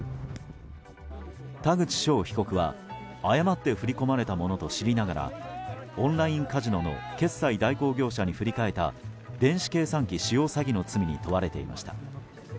田口翔被告は、誤って振り込まれたものと知りながらオンラインカジノの決済代行業者に振り替えた電子計算機使用詐欺の罪に問われていました。